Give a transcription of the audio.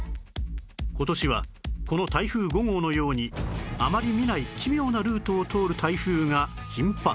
今年はこの台風５号のようにあまり見ない奇妙なルートを通る台風が頻発